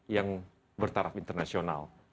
yang bertaraf internasional